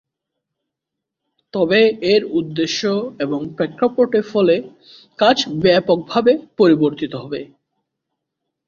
তবে, এর উদ্দেশ্য এবং প্রেক্ষাপটে ফলে কাজ ব্যাপকভাবে পরিবর্তিত হবে।